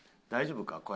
大丈夫か？